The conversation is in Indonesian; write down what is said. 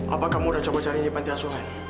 apa kamu udah coba cari di pantiasuhan